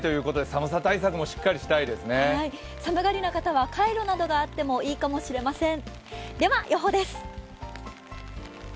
寒がりな方はカイロなどがあってもいいかもしれません。